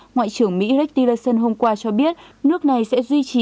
ngoại trưởng mỹ rick tillerson hôm qua cho biết nước này sẽ duy trì